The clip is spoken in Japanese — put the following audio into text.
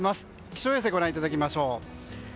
気象衛星をご覧いただきましょう。